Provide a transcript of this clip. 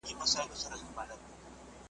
د مرګي د کوهي لاره مو اخیستې ,